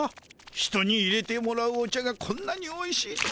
人にいれてもらうお茶がこんなにおいしいとは。